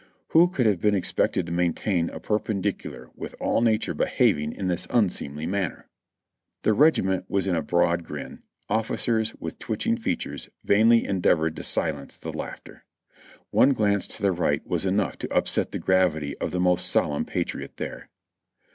Who could have been expected to maintain a perpendicular with all nature behaving in this unseemly manner? The regiment was in a broad grin ; officers, with twitching features, vainly endeavored to silence the laughter. One glance to the right was enough to upset the gravity of the most solemn patriot there.